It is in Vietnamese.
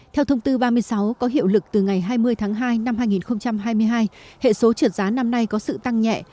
theo thông tư ba mươi sáu có hiệu lực từ ngày hai mươi tháng hai năm hai nghìn hai mươi hai hệ số trượt giá năm nay có sự tăng nhẹ